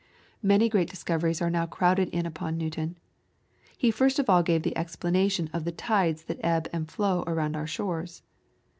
Many great discoveries now crowded in upon Newton. He first of all gave the explanation of the tides that ebb and flow around our shores.